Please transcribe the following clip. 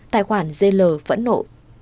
tài khoản dê lờ phẫn nộ